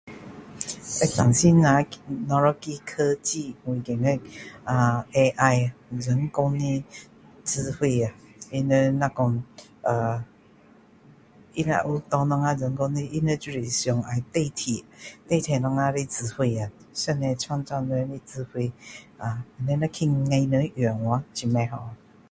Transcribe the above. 最担心呀哪一个科技我觉得呃 AI 人工的智慧他们那说呃他如果有拿我们的人工的他们就想要被提并且我们的智慧啊上帝创造给的智慧啊那被坏人用掉很不好